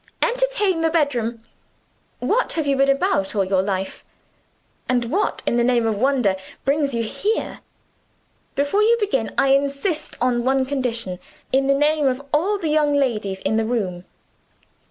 Entertain the bedroom. What have you been about all your life? And what in the name of wonder, brings you here? Before you begin I insist on one condition, in the name of all the young ladies in the room.